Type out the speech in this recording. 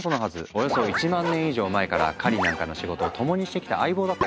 およそ１万年以上前から狩りなんかの仕事を共にしてきた相棒だったからね。